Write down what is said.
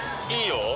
いいよ！